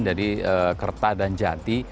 jadi kerta dan jati